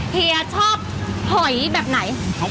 เฮียชอบหอยแบบไหน